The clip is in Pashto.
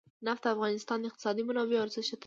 نفت د افغانستان د اقتصادي منابعو ارزښت زیاتوي.